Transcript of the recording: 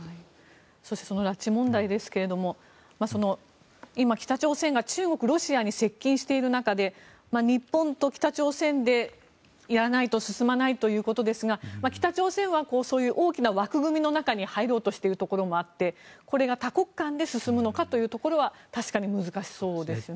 そしてその拉致問題ですが今、北朝鮮が中国、ロシアに接近している中で日本と北朝鮮でやらないと進まないということですが北朝鮮はそういう大きな枠組みの中に入ろうとしているところがあってこれが多国間で進むのかというところは確かに難しそうですよね。